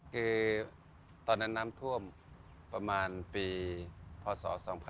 คือตอนนั้นน้ำท่วมประมาณปีพศ๒๕๕๙